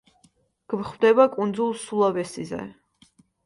გვხვდება კუნძულ სულავესიზე.